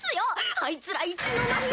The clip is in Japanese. あいつらいつの間に。